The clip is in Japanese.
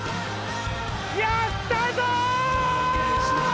やったぞ！